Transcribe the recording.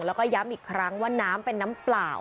แล้วก็ย้ำอีกครั้งว่าน้ำเป็นน้ำเปล่า